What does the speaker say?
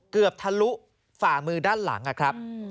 ทะลุฝ่ามือด้านหลังนะครับ